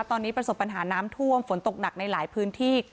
ตอนนี้ประสบปัญหาน้ำท่วมฝนตกหนักในหลายพื้นที่